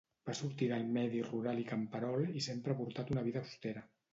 Va sortir del medi rural i camperol i sempre ha portat una vida austera.